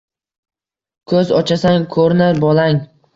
Koʼz ochasan koʼrinar bolang.